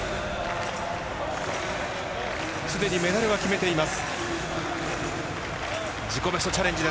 すでにメダルは決めています。